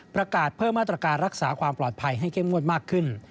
ประกาศเพิ่มมาตรการรักษาความปลอดภัยให้เข้มงวดมากขึ้น